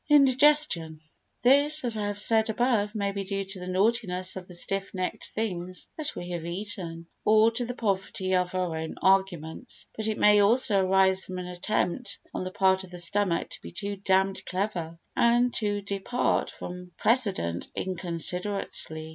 Indigestion This, as I have said above, may be due to the naughtiness of the stiff necked things that we have eaten, or to the poverty of our own arguments; but it may also arise from an attempt on the part of the stomach to be too damned clever, and to depart from precedent inconsiderately.